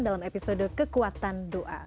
dalam episode kekuatan doa